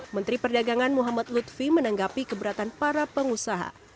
menteri perdagangan muhammad lutfi menanggapi keberatan para pengusaha